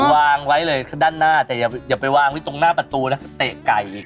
วางไว้เลยด้านหน้าแต่อย่าไปวางไว้ตรงหน้าประตูนะเตะไก่อีก